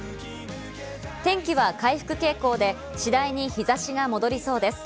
天気は回復傾向で次第に日差しが戻りそうです。